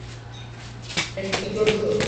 এখানে কি করছ?